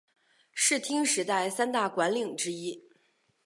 室町时代三大管领之一。